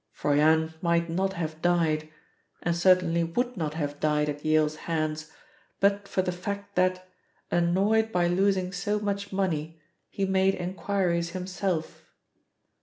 "Froyant might not have died, and certainly would not have died at Yale's hands, but for the fact that, annoyed by losing so much money, he made inquiries himself.